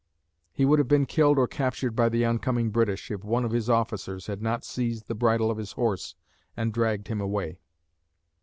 He would have been killed or captured by the oncoming British, if one of his officers had not seized the bridle of his horse and dragged him away.